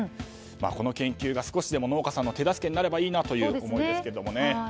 この研究が少しでも農家さんの手助けになればいいなという思いですけれどもね。